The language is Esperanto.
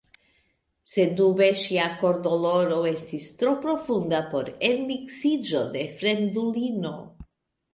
Sendube ŝia kordoloro estis tro profunda por enmiksiĝo de fremdulino.